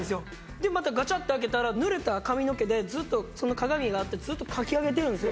でまたガチャって開けたら濡れた髪の毛でずっとその鏡があってずっとかき上げてるんですよ